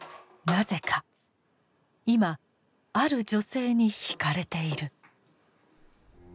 なぜか今ある女性に惹かれている。